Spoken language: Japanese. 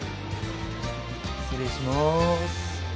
失礼します。